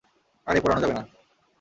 আরে, পোড়ানো যাবে না।